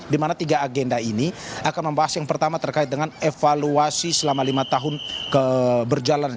di mana tiga agenda ini akan membahas yang pertama terkait dengan evaluasi selama lima tahun keberjalan